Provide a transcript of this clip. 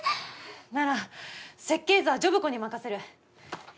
なら設計図はジョブ子に任せる。